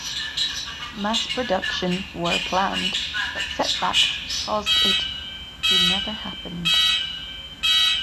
Mass production were planned but setbacks caused it to never happened.